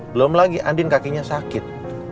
belum lagi andin kakinya sakit